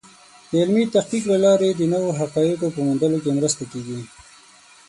د علمي تحقیق له لارې د نوو حقایقو په موندلو کې مرسته کېږي.